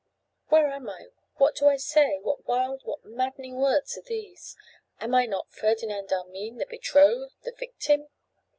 Where am I? what do I say? what wild, what maddening words are these? Am I not Ferdinand Armine, the betrothed, the victim?